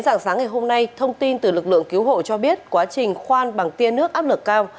dạng sáng ngày hôm nay thông tin từ lực lượng cứu hộ cho biết quá trình khoan bằng tiên nước áp lực cao